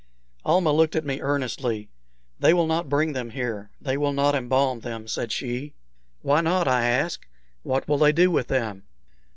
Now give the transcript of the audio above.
Almah looked at me earnestly. "They will not bring them here; they will not embalm them," said she. "Why not?" I asked; "what will they do with them?"